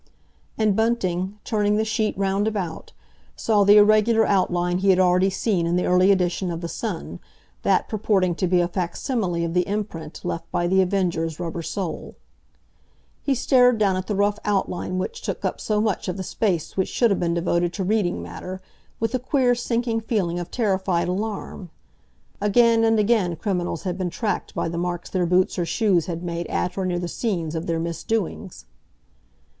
And Bunting, turning the sheet round about, saw the irregular outline he had already seen in the early edition of the Sun, that purporting to be a facsimile of the imprint left by The Avenger's rubber sole. He stared down at the rough outline which took up so much of the space which should have been devoted to reading matter with a queer, sinking feeling of terrified alarm. Again and again criminals had been tracked by the marks their boots or shoes had made at or near the scenes of their misdoings.